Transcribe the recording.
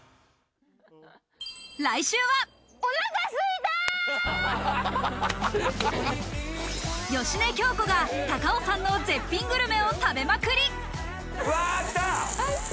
来週は、芳根京子が高尾山の絶品グルメを食べまくり。